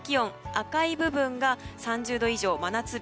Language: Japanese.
赤い部分が３０度以上、真夏日。